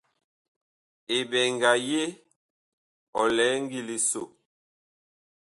Eɓɛnga ye ɔ lɛ ngili so.